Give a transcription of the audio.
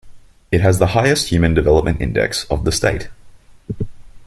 It has the highest Human Development Index of the state.